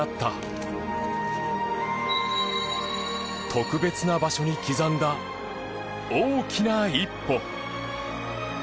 特別な場所に刻んだ大きな一歩。